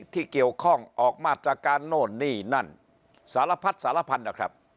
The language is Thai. ที่เกี่ยวข้องออกมาตรการโน่นนี่นั่นสารพัดสารพันธุ์นะครับ